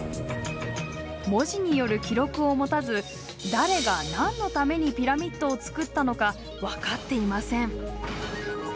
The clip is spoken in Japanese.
文字による記録を持たず誰が何のためにピラミッドを造ったのか分かっていません。